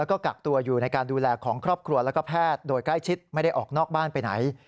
แล้วก็กักตัวอยู่ในการดูแลของครอบครัวแล้วก็แพทย์โดยใกล้ชิดไม่ได้ออกนอกบ้านไปไหน